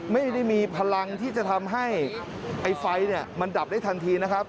ไม่ได้มีพลังที่จะทำให้ไอ้ไฟมันดับได้ทันทีนะครับ